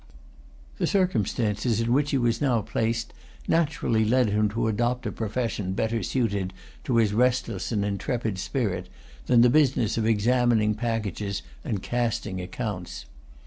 The circumstances in which he was now placed naturally led him to adopt a profession better suited to his restless and intrepid spirit than the business of examining packages and casting accounts.